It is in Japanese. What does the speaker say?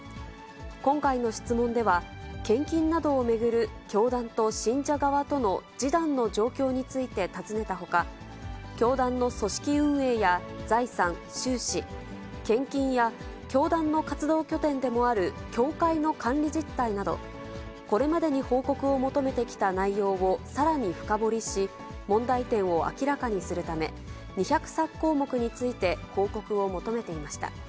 今回の質問では、献金などを巡る教団と信者側との示談の状況について尋ねたほか、教団の組織運営や、財産、収支、献金や教団の活動拠点でもある教会の管理実態など、これまでに報告を求めてきた内容をさらに深掘りし、問題点を明らかにするため、２０３項目について報告を求めていました。